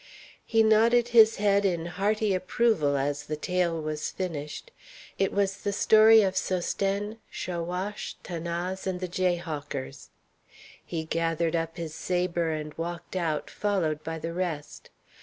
He nodded his head in hearty approval as the tale was finished. It was the story of Sosthène, Chaouache, 'Thanase, and the jayhawkers. He gathered up his sabre and walked out, followed by the rest.